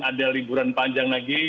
ada liburan panjang lagi